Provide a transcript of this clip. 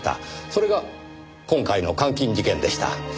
それが今回の監禁事件でした。